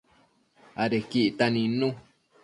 Adequi ictac nidnu